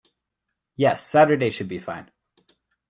Yes, Saturday should be fine.